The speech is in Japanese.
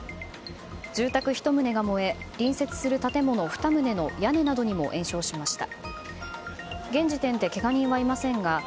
住宅１棟が燃え隣接する建物２棟の屋根などにも延焼しました。